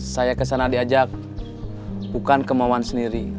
saya kesana diajak bukan kemauan sendiri